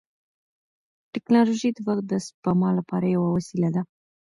ټیکنالوژي د وخت د سپما لپاره یوه وسیله ده.